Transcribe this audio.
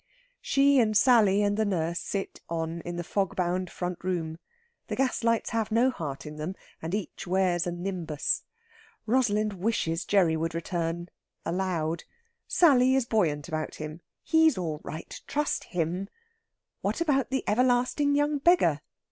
She and Sally and the nurse sit on in the fog bound front room. The gas lights have no heart in them, and each wears a nimbus. Rosalind wishes Gerry would return, aloud. Sally is buoyant about him; he's all right, trust him! What about the everlasting young beggar?